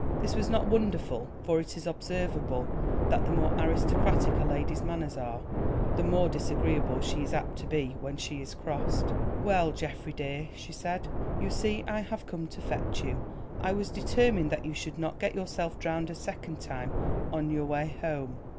This was not wonderful, for it is observable that the more aristocratic a lady's manners are, the more disagreeable she is apt to be when she is crossed. "Well, Geoffrey dear," she said, "you see I have come to fetch you. I was determined that you should not get yourself drowned a second time on your way home.